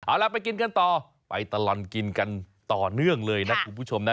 เอาล่ะไปกินกันต่อไปตลอดกินกันต่อเนื่องเลยนะคุณผู้ชมนะ